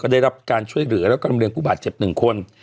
ก็ได้รับการช่วยเหลือและการเรียนกู้บาดเจ็บ๑คน